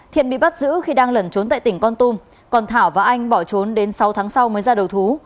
thiện bị bắt giữ khi đang lẩn trốn tại tỉnh con tum còn thảo và anh bỏ trốn đến sáu tháng sau mới ra đầu thú